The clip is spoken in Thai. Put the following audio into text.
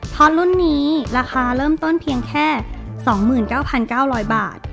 เพราะรุ่นนี้ราคาเริ่มต้นเพียงแค่๒๙๙๐๐บาท